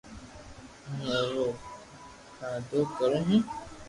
ھون اورو ڪآدو ڪرو ھون